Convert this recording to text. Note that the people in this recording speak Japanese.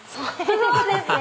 そうですね